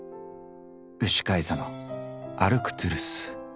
うしかい座のアルクトゥルス。